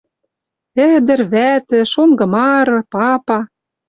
Ӹдӹр, вӓтӹ, шонгы мары, папа